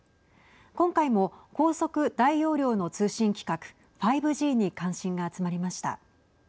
今回も高速・大容量の通信規格５Ｇに関心が集まりました。